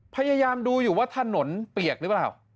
พยายามดูอยู่ว่าถนนเปียกหรือเปล่า